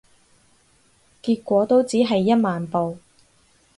結果都只係一萬步